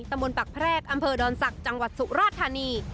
ตำบลปักแพรกอำเภอดอนศักดิ์จังหวัดสุราธานี